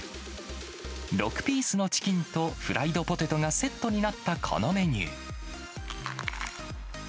６ピースのチキンとフライドポテトがセットになったこのメニュー。